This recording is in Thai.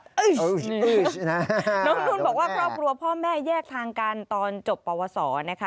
น้องนุ่นบอกว่าครอบครัวพ่อแม่แยกทางกันตอนจบปวสอนะคะ